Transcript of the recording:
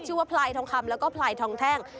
ชื่อว่าพลายทองคำแล้วก็พลายทองแท่ง